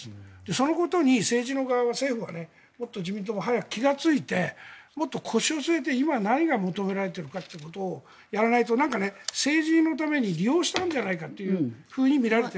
そのことに政治の側は政府はもっと早く気がついてもっと腰を据えて今、何が求められているかということをやらないと何か政治のために利用したんじゃないかというふうに見られている。